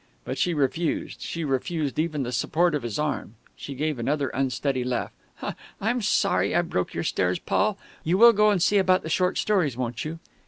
But she refused. She refused even the support of his arm. She gave another unsteady laugh. "I'm sorry I broke your stairs, Paul.... You will go and see about the short stories, won't you?"